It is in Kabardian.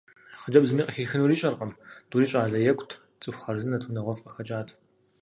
Хъыджэбзми къыхихынур ищӏэркъым: тӏури щӏалэ екӏут, цӏыху хъарзынэт, унагъуэфӏ къыхэкӏат.